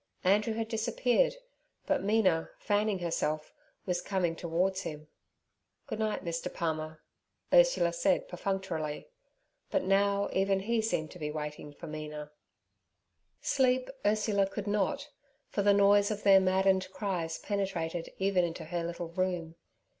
Andrew had disappeared, but Mina, fanning herself, was coming towards him. 'Good night, Mr. Palmer' Ursula said perfunctorily; but now even he seemed to be waiting for Mina. Sleep Ursula could not, for the noise of their maddened cries penetrated even into her little room.